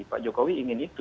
pak jokowi ingin itu